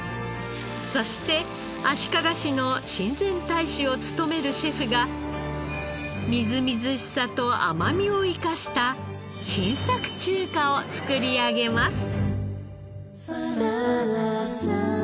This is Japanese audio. そして足利市の親善大使を務めるシェフがみずみずしさと甘みを生かした新作中華を作り上げます。